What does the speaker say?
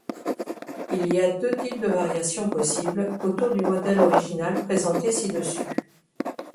Il y a deux types de variations possibles autour du modèle original présenté ci-dessus.